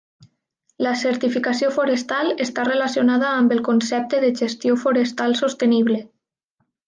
La certificació forestal està relacionada amb el concepte de gestió forestal sostenible.